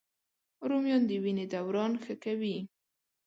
رومیان د وینې دوران ښه کوي